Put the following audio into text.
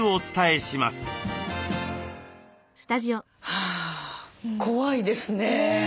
はあ怖いですね。